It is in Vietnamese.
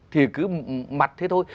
thì cứ mặt thế thôi